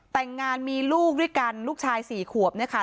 แต่งงานมีลูกด้วยกันลูกชายสี่ขวบเนี่ยค่ะ